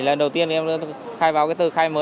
lần đầu tiên em đã khai báo cái từ khai báo